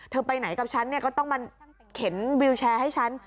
เธอไปไหนกับฉันก็ต้องมาเข็นวิวแชร์ให้ฉัน